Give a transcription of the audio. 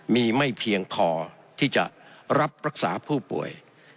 มีไม่เพียงพอที่จะรับรักษาผู้ป่วย